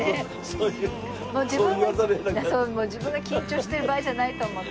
そう自分が緊張してる場合じゃないと思って。